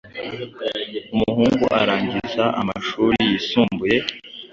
umuhungu arangiza amashuri yisumbuye